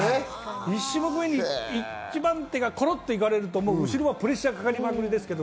１番手がコロっと行かれると、後ろはプレッシャーかかりまくりですけど。